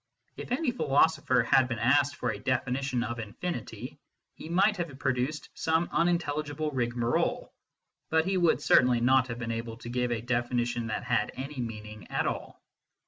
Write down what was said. If any philosopher had been asked for a definition of infinity, he might have produced some unintelligible rigmarole, but he would certainly not have been able to give a definition that had any meaning at all.